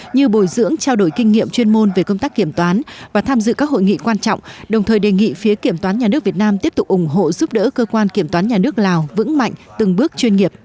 như bồi dưỡng trao đổi kinh nghiệm chuyên môn về công tác kiểm toán và tham dự các hội nghị quan trọng đồng thời đề nghị phía kiểm toán nhà nước việt nam tiếp tục ủng hộ giúp đỡ cơ quan kiểm toán nhà nước lào vững mạnh từng bước chuyên nghiệp